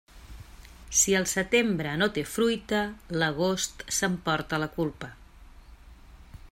Si el setembre no té fruita, l'agost s'emporta la culpa.